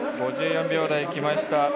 ５４秒台きました。